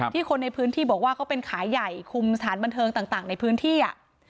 คนในพื้นที่บอกว่าเขาเป็นขายใหญ่คุมสถานบันเทิงต่างในพื้นที่อ่ะ